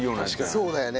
そうだよね。